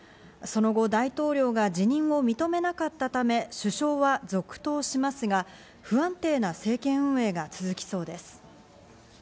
その後、大統領が辞任を認めなかったため、首相は続投しますが、不安定な政権運営が続きそうです。